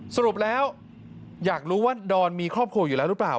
สรุปแล้วอยากรู้ว่าดอนมีครอบครัวอยู่แล้วหรือเปล่า